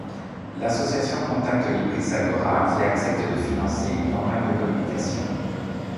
L'association contacte Libris Agora qui accepte de financer une campagne de communication.